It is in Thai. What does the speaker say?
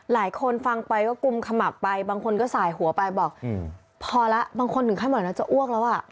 หลายคนฟังไปก็กุมขมับไปบางคนก็สายหัวไปบอกพอแล้วบางคนถึงขั้นบอกแล้วจะอ้วกแล้วอ่ะ